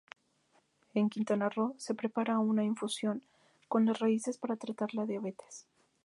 En Quintana Roo, se prepara una infusión con las raíces para tratar la diabetes.